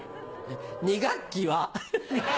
二学期は」。